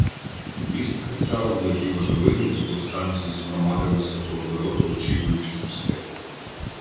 Вістка ця облетіла долину, і повстанці згромадилися коло дороги, очікуючи гостей.